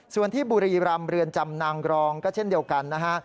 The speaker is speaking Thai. ส่วนที่บุรีรำเรือนจำนางรองก็เช่นเดียวกันนะฮะ